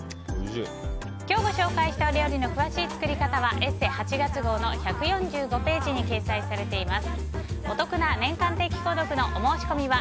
今日ご紹介したお料理の詳しい作り方は「ＥＳＳＥ」８月号の１４５ページに掲載されています。